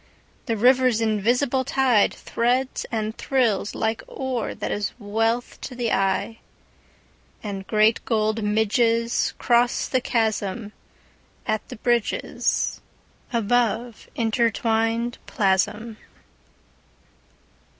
The river's invisible tideThreads and thrills like ore that is wealth to the eye. And great gold midgesCross the chasmAt the bridgesAbove intertwined plasm.